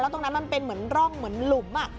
ตรงนั้นมันเป็นเหมือนร่องเหมือนหลุม